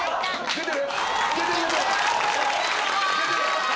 出てる！